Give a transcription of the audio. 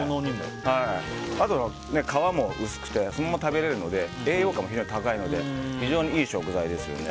あとは皮も薄くてそのまま食べられるので栄養価も高いので非常にいい食材ですよね。